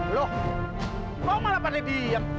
lo mau malah padahal diam